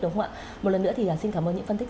đúng không ạ một lần nữa thì xin cảm ơn những phân tích